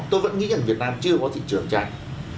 tôi vẫn nghĩ rằng việt nam chưa có thị trường chẳng